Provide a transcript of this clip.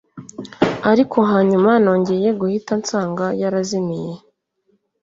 ariko hanyuma nongeye guhita nsanga yarazimiye